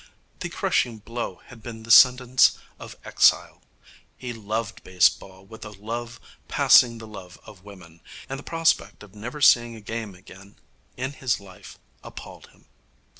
The crushing blow had been the sentence of exile. He loved baseball with a love passing the love of women, and the prospect of never seeing a game again in his life appalled him.